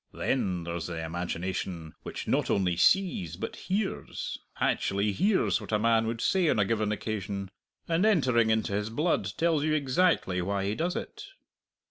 Then there's the imagination which not only sees but hears actually hears what a man would say on a given occasion, and entering into his blood, tells you exactly why he does it.